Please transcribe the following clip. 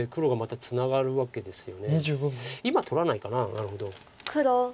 なるほど。